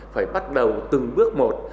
phải bắt đầu từng bước một